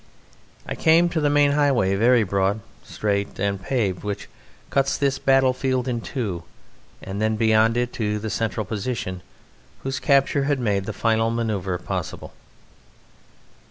I came to the main highway, very broad, straight, and paved, which cuts this battlefield in two, and then beyond it to the central position whose capture had made the final manoeuvre possible.